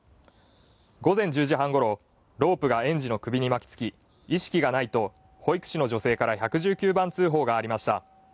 午前１０時半ごろ、ロープが園児の首に巻きつき、意識がないと保育士の女性から１１９番通報がありました。